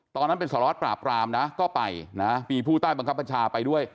ตอนนั้นเป็นสารวัตรปราบรามนะก็ไปนะมีผู้ใต้บังคับบัญชาไปด้วย